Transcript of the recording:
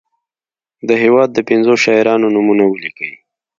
د هیواد د پنځو شاعرانو نومونه ولیکي.